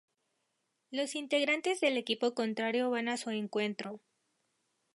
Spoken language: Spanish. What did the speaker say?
Los integrantes del equipo contrario van a su encuentro.